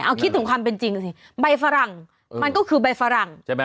เอาคิดถึงความเป็นจริงสิใบฝรั่งมันก็คือใบฝรั่งใช่ไหม